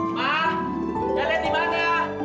ma kalian di mana